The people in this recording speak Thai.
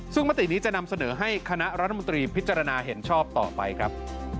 ซึ่งมตินี้จะนำเสนอให้คณะรัฐมนตรีพิจารณาเห็นชอบต่อไปครับ